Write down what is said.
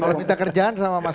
kalau minta kerjaan sama mas bas